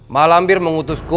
mak lampir mengutusku